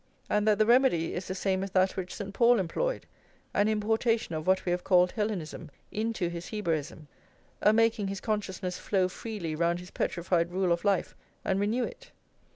and that the remedy is the same as that which St. Paul employed, an importation of what we have called Hellenism into his Hebraism, a making his consciousness flow freely round his petrified rule of life and renew it?